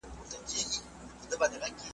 بیا به نه کوم له سپي شکایتونه .